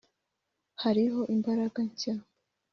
hariho imbaraga nshya